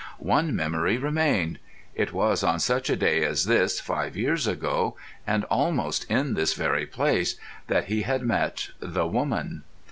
One memory remained. It was on such a day as this, five years ago, and almost in this very place, that he had met the woman.